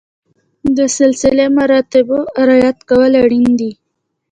د سلسله مراتبو رعایت کول اړین دي.